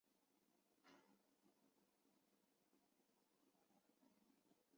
母戴氏。